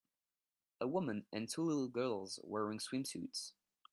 A woman and two little girls wearing swimsuits